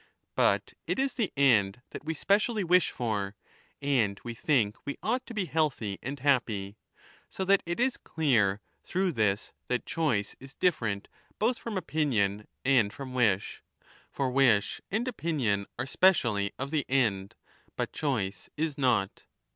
But it is th e end that we specially ivisTifor, and we think we ought to be healthy and happy. ^So^aTit is clear through this that choice is 15 different both from opinion and from wish ; for wish an d opinion are specially of the end, but choice is not.